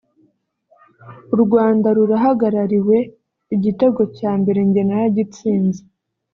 u Rwanda rurahagarariwe igitego cya mbere njye naragitsinze